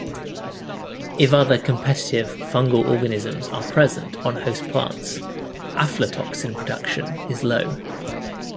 If other competitive fungal organisms are present on host plants, aflatoxin production is low.